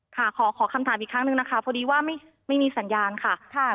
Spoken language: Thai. ขอคำถามอีกครั้งหนึ่งนะคะพอดีว่าไม่มีสัญญาณค่ะ